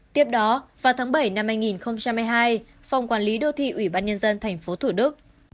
tiếp đó vào tháng bảy năm hai nghìn hai mươi hai phòng quản lý đô thị ủy ban nhân dân tp thủ đức